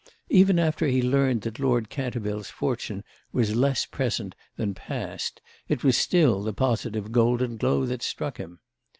Even after he learned that Lord Canterville's fortune was less present than past it was still the positive golden glow that struck him.